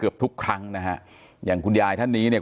ทุกครั้งนะฮะอย่างคุณยายท่านนี้เนี่ย